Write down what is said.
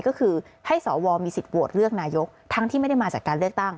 ก็คือให้สวมีสิทธิ์โหวตเลือกนายกทั้งที่ไม่ได้มาจากการเลือกตั้ง